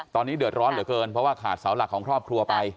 ตอนนี้เดือดร้อนเหลือเกินเพราะว่าขาดเสาหลักของครอบครัวไป